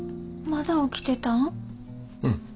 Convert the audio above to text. まだ起きてたん？